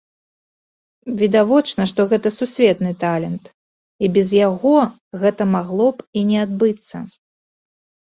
Відавочна, што гэта сусветны талент, і без яго гэта магло б і не адбыцца.